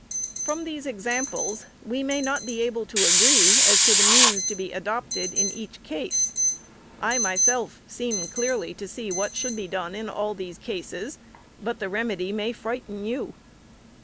From these examples, we may not be able to agree as to the means to be adopted in each case. I myself seem clearly to see what should be done in all these cases, but the remedy may frighten you.